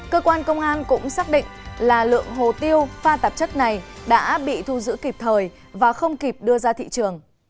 cơ quan công an cũng xác định là lượng hồ tiêu pha tạp chất này đã bị thu giữ kịp thời và không kịp đưa ra thị trường